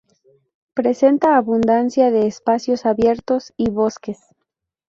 Presenta abundancia de espacios abiertos y bosques.